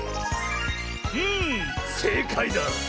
んせいかいだ！